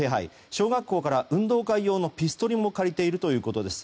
小学校から運動会用のピストルも借りているということです。